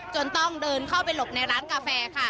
จนต้องเดินเข้าไปหลบในร้านกาแฟค่ะ